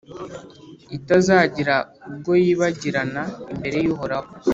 itazagira ubwo yibagirana imbere y’Uhoraho.